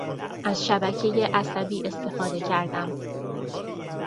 از شبکهٔ عصبی استفاده کردم.